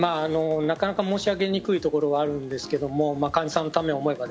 なかなか申し上げにくいところがあるんですが患者さんのためを思えば。